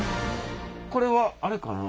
これはあれかな？